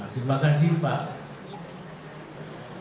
terima kasih pak